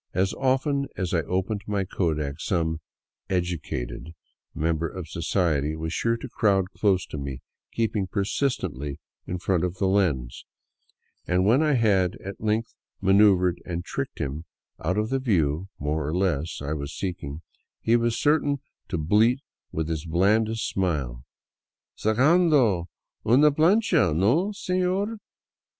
As often as I opened my kodak, some " educated " member of society was sure to crowd close to me, keeping persistently in front of the lens; and when I had at length manoeuvered and tricked him out of the view, more or less, I was seeking, he was certain to bleat with his blandest smile, " Sacando una plancha, no, sefior?"